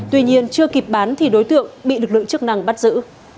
tuy nhiên chưa kịp bán thì đối tượng bị lực lượng chức năng bắt giữ